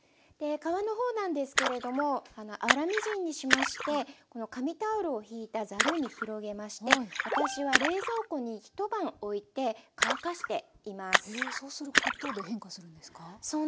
皮の方なんですけれども粗みじんにしましてこの紙タオルを引いたざるに広げまして私はへえそうすることで変化するんですか？